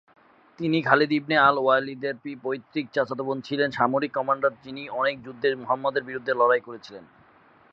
তিনি খালিদ ইবনে আল ওয়ালিদের পৈতৃক চাচাতো বোন ছিলেন, সামরিক কমান্ডার যিনি অনেক যুদ্ধে মুহাম্মাদের বিরুদ্ধে লড়াই করেছিলেন।